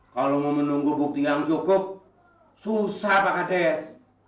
kalau mau menunggu bukti yang cukup susah pak ades